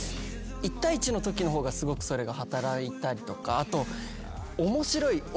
１対１のときの方がすごくそれが働いたりとかあと。